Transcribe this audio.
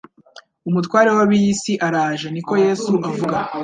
“Umutware w’ab’iyi si araje, niko Yesu avuga,